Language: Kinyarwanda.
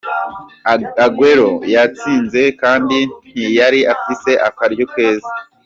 Aguero yatsinze kandi ntiyari afise akaryo keza.